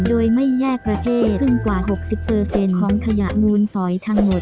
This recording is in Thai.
โดยไม่แยกประเทศซึ่งกว่า๖๐ของขยะมูลฝอยทั้งหมด